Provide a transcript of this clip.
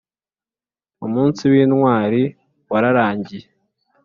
Umunsi w’intwari wararangiye